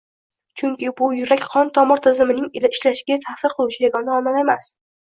Chunki bu yurak-qon tomir tizimining ishlashiga taʼsir qiluvchi yagona omil emas.